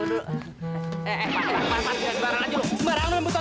eh eh pat pat